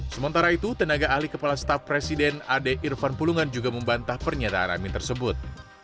sementara itu tenaga ahli kepala staf presiden ade irfan pulungan juga membantah pernyataan amin tersebut